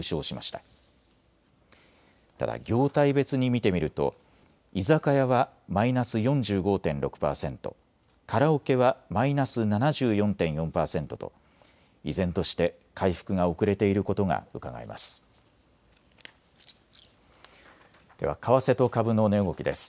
ただ業態別に見てみると居酒屋はマイナス４５．６％、カラオケはマイナス７４．４％と依然として回復が遅れていることがうかがえます。